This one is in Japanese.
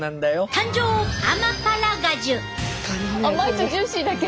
甘いとジューシーだけ。